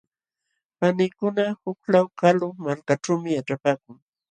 Paniykuna huk law kalu malkaćhuumi yaćhapaakun.